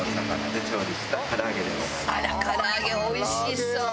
あら唐揚げおいしそうに。